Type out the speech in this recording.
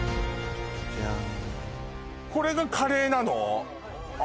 これがカレーなの！？